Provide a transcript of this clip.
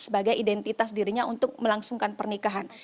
sebagai identitas dirinya untuk melangsungkan pernikahan